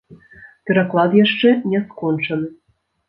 Пераклад яшчэ не скончаны.